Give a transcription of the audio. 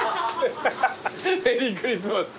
メリークリスマス。